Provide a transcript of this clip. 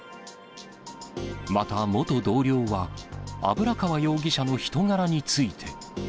また、元同僚は油川容疑者の人柄について。